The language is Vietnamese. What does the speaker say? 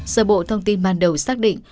sở bộ thông tin ban đầu xác định